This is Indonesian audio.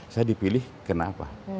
saya dipilih kenapa